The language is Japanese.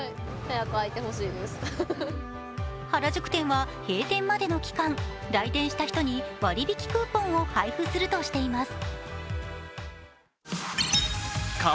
原宿店は閉店までの期間、来店した人に割引クーポンを配布するとしています。